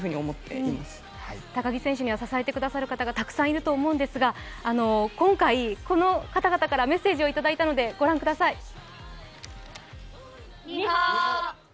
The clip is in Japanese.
高木選手には支えてくださる方がたくさんいらっしゃると思いますが今回、この方々からメッセージをいただいたので御覧ください。